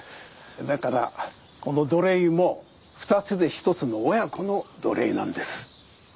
だからこの土鈴も２つで一つの親子の土鈴なんです。